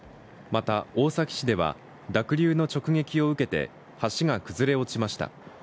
また、大崎市では濁流の直撃を受けて橋が崩れ落ちました。